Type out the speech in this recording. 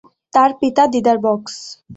তার পিতা দিদার বক্স।